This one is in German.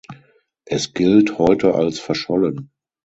Es gilt heute als verschollen.